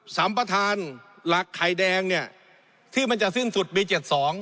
สำประทานหลักไข่แดงที่มันจะสิ้นสุดปี๑๙๗๒